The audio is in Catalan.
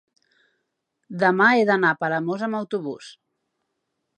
demà he d'anar a Palamós amb autobús.